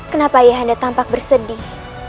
kenapa ayahanda tampak bersedih